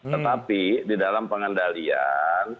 tetapi di dalam pengendalian